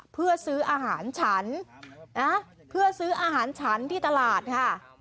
เพื่อซื้ออาหารฉันนะเพื่อซื้ออาหารฉันที่ตลาดค่ะ